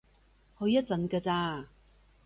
去一陣㗎咋